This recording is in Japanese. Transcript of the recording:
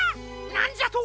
なんじゃと！